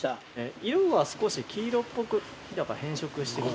色は少し黄色っぽくひだが変色してきて。